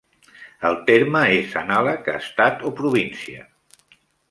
El terme és anàleg a "estat" o "província".